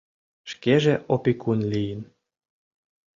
Шкеже опекун лийын.